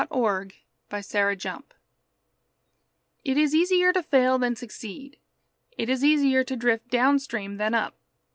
IT WON'T STAY BLOWED It is easier to fail than succeed. It is easier to drift downstream than up.